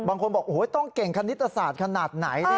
บางคนบอกโอ้โหต้องเก่งคณิตศาสตร์ขนาดไหน